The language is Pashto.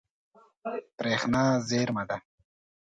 برېښنا زیرمه ده.